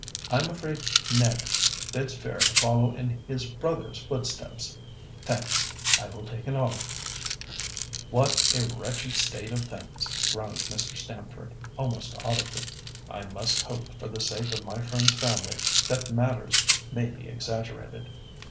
I'm afraid Ned bids fair to follow in his brother's footsteps. Thanks—I will take an olive." "What a wretched state of things!" groaned Mr. Stamford, almost audibly. "I must hope, for the sake of my friend's family, that matters may be exaggerated."